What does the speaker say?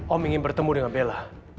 om ingin bertemu dengan bella